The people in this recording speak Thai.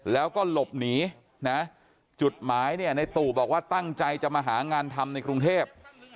แล้วก็หลบหนีนะจุดหมายเนี่ยในตู่บอกว่าตั้งใจจะมาหางานทำในกรุงเทพ